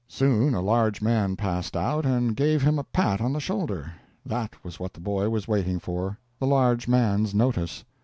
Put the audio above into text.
Soon a large man passed out, and gave him a pat on the shoulder. That was what the boy was waiting for the large man's notice.